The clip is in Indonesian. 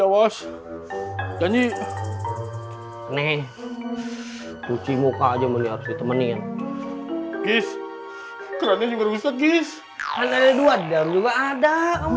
awas janji nih cuci muka aja menurut temenin kis kerennya juga ada